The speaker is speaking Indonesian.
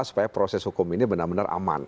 supaya proses hukum ini benar benar aman